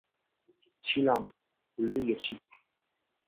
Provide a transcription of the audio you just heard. ছিলাম, ভুলেই গেছি।